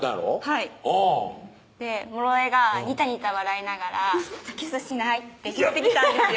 はいもろえがニタニタ笑いながら「キスしない？」って言ってきたんですよ